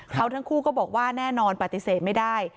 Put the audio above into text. เขาทั้งคู่ก็บอกว่าแน่นอนปฏิเสธไม่ได้